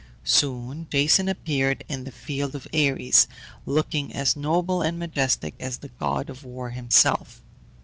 Soon Jason appeared in the field of Ares, looking as noble and majestic as the god of war himself.